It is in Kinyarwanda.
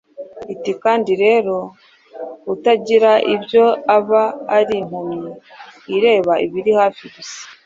iti :« Kandi rero utagira ibyo aba ari impumyi, ireba ibiri hafi gusa,